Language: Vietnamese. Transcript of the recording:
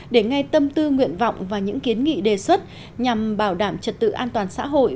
để nghe tâm tư nguyện vọng và những kiến nghị đề xuất nhằm bảo đảm trật tự an toàn xã hội